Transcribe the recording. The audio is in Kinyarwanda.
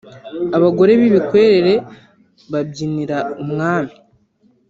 abagore b’ibikwerere babyinira umwami